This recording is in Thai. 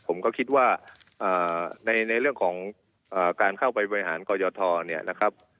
ผมก็คิดว่าในเรื่องของการเข้าไปบริหารกรยธเนี่ยนะครับ